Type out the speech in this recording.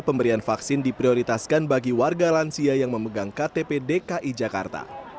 pemberian vaksin diprioritaskan bagi warga lansia yang memegang ktp dki jakarta